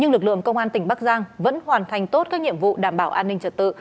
nhưng lực lượng công an tỉnh bắc giang vẫn hoàn thành tốt các nhiệm vụ đảm bảo an ninh trật tự